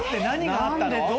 何があったの？